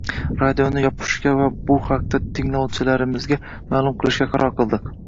radioni yopishga va bu haqda tinglovchilarimizga ma’lum qilishga qaror qildik.